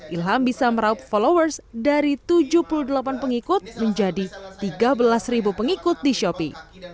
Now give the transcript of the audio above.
ilham bisa meraup followers dari tujuh puluh delapan pengikut menjadi tiga belas pengikut di shopee